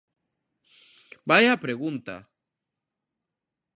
Vaia á pregunta.